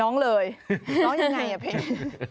ร้องเลยร้องยังไงอ่ะเพลง